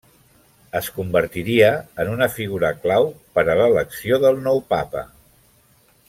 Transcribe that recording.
Es convertiria en una figura clau per a l'elecció del nou Papa.